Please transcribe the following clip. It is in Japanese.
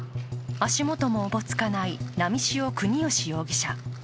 足元もおぼつかない波汐國芳容疑者。